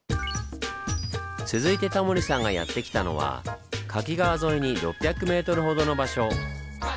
続いてタモリさんがやって来たのは柿川沿いに６００ｍほどの場所。